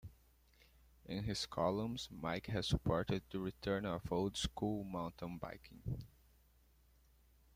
In his columns, Mike has supported the return of "old school" mountain biking.